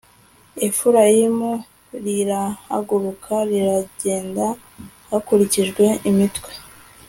Efurayimu rirahaguruka riragenda hakurikijwe imitwe